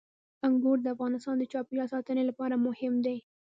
انګور د افغانستان د چاپیریال ساتنې لپاره مهم دي.